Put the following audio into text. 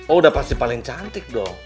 oh udah pasti paling cantik dong